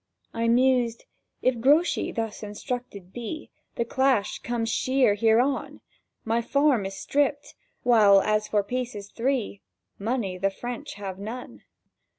I mused: "If Grouchy thus instructed be, The clash comes sheer hereon; My farm is stript. While, as for pieces three, Money the French have none.